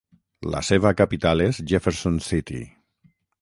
La seva capital és Jefferson City.